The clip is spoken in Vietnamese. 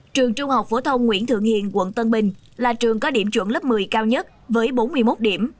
trường trung học phổ thông nguyễn thượng hiền quận tân bình là trường có điểm chuẩn lớp một mươi cao nhất với bốn mươi một điểm